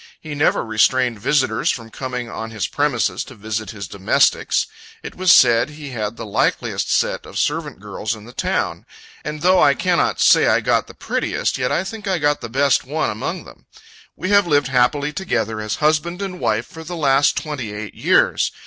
He never restrained visitors from coming on his premises to visit his domestics. It was said he had the likeliest set of servant girls in the town; and though I cannot say I got the prettiest, yet I think I got the best one among them. We have lived happily together, as husband and wife, for the last twenty eight years.